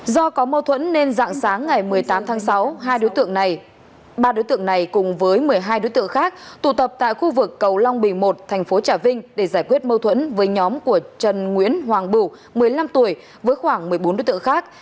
do có mâu thuẫn nên dạng sáng ngày một mươi tám tháng sáu hai đối tượng này ba đối tượng này cùng với một mươi hai đối tượng khác tụ tập tại khu vực cầu long bình một thành phố trà vinh để giải quyết mâu thuẫn với nhóm của trần nguyễn hoàng bửu một mươi năm tuổi với khoảng một mươi bốn đối tượng khác